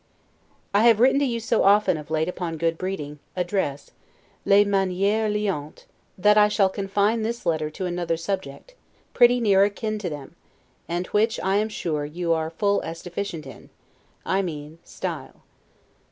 I have written to you so often, of late, upon good breeding, address, 'les manieres liantes', the Graces, etc., that I shall confine this letter to another subject, pretty near akin to them, and which, I am sure, you are full as deficient in; I mean Style.